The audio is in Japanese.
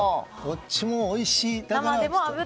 どっちもおいしい。